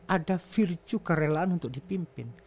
ada virtue kerelaan untuk dipimpin